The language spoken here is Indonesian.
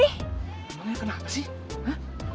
emangnya kenapa sih